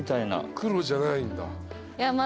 黒じゃないんだ。